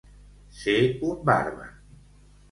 Ser un bàrbar.